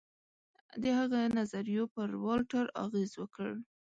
د هغه نظریو پر والټر اغېز وکړ.